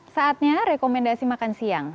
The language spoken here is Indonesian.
saatnya rekomendasi makan siang